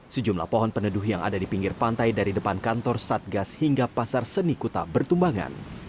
sejumlah pohon peneduh yang ada di pinggir pantai dari depan kantor satgas hingga pasar seni kuta bertumbangan